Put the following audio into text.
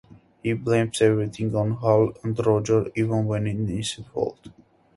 He blames everything on Hal and Roger, even when it is his fault.